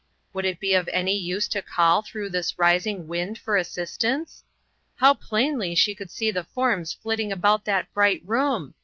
Would it be of any use to call through this rising wind for assistance? How plainly she could see the forms flitting about that bright room !